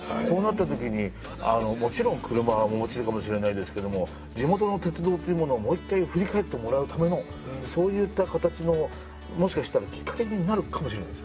そうなった時にもちろん車もお持ちかもしれないですけども地元の鉄道っていうものをもう一回振り返ってもらうためのそういった形のもしかしたらきっかけになるかもしれないですね。